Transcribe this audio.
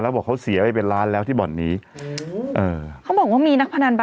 รุเล็ตเนี่ยคุณเล่นเองคุณไม่รู้